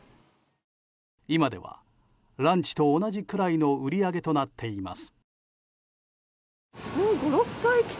今では、ランチと同じくらいの売り上げとなっています。